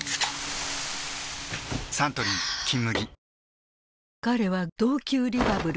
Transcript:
サントリー「金麦」